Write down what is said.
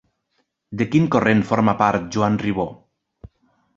De quin corrent forma part Joan Ribó?